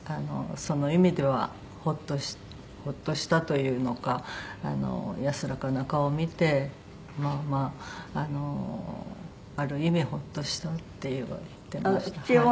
その意味ではホッとしたというのか安らかな顔を見てまあまあある意味ホッとしたっていうのは言ってました。